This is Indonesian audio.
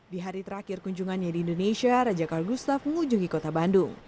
di hari terakhir kunjungannya di indonesia raja karl gustav mengunjungi kota bandung